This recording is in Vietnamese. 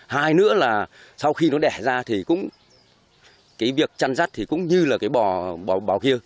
hai nữa là sau khi nó đẻ ra thì cũng cái việc chăn rắt thì cũng như là cái bò bò kia